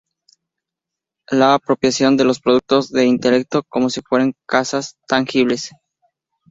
apropiación de los productos del intelecto como si fueran cosas tangibles